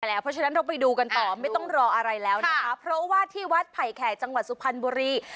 เพราะฉะนั้นเราไปดูกันต่อไม่ต้องรออะไรแล้วนะคะเพราะว่าที่วัดไผ่แขกจังหวัดสุพรรณบุรี